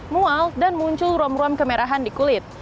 mual dan muncul ruam ruam kemerahan di kulit